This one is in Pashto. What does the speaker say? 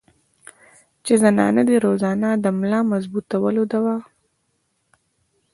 چې زنانه دې روزانه د ملا مضبوطولو دوه